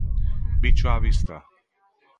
Bicho á vista!